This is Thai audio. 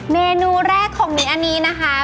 เมนูแรกของมิ้นอันนี้นะคะ